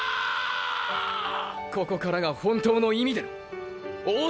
ここからが本当の意味での王者復格だ！！